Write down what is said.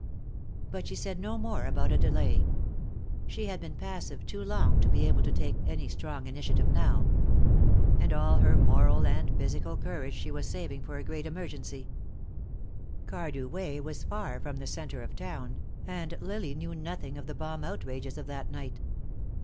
But she said no more about a delay. She had been passive too long to be able to take any strong initiative now. And all her moral and physical courage she was saving for a great emergency. Cardew Way was far from the center of town, and Lily knew nothing of the bomb outrages of that night.